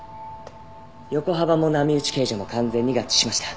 横幅も波打ち形状も完全に合致しました。